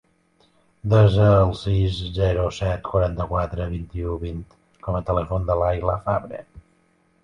Desa el sis, zero, set, quaranta-quatre, vint-i-u, vint com a telèfon de l'Ayla Fabre.